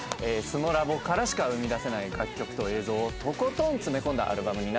スノラボからしか生み出せない楽曲と映像をとことん詰め込んだアルバムになっております。